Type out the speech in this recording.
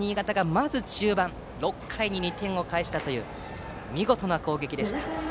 まず中盤、６回に２点を返した見事な攻撃でした。